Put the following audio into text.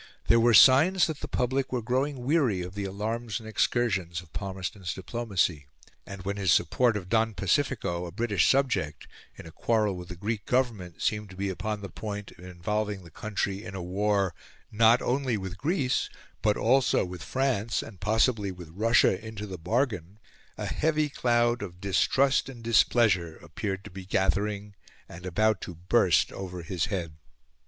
There were signs that the public were growing weary of the alarums and excursions of Palmerston's diplomacy; and when his support of Don Pacifico, a British subject, in a quarrel with the Greek Government, seemed to be upon the point of involving the country in a war not only with Greece but also with France, and possibly with Russia into the bargain, a heavy cloud of distrust and displeasure appeared to be gathering and about to burst over his head.